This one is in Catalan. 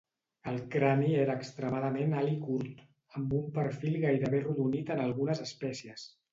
El crani era extremadament alt i curt, amb un perfil gairebé arrodonit en algunes espècies.